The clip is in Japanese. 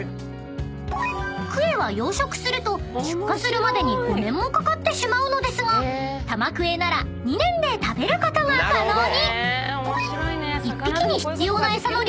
［クエは養殖すると出荷するまでに５年もかかってしまうのですがタマクエなら２年で食べることが可能に！］